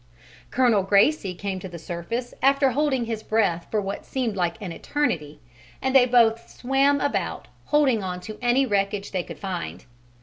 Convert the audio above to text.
Colonel Gracie came to the surface after holding his breath for what seemed an eternity, and they both swam about holding on to any wreckage they could find.